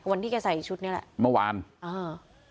วันที่แกใส่ชุดเนี้ยแหละเมื่อวานอ่า